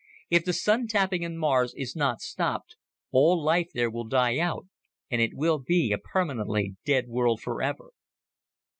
If the Sun tapping on Mars is not stopped, all life there will die out, and it will be a permanently dead world forever."